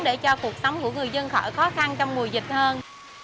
để cho cuộc sống của người dân khỏi khó khăn trong mùa dịch hơn